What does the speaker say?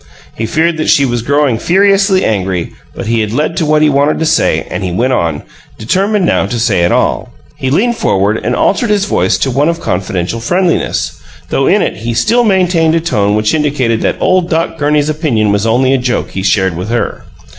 He feared that she was growing furiously angry; but he had led to what he wanted to say, and he went on, determined now to say it all. He leaned forward and altered his voice to one of confidential friendliness, though in it he still maintained a tone which indicated that ole Doc Gurney's opinion was only a joke he shared with her.